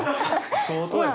相当やん。